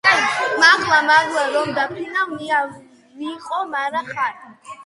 მაღლა მაღლა რომ დაფრინავ ნიავ ვიყო მარა ხარ